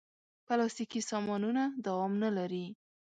پلاستيکي سامانونه دوام نه لري.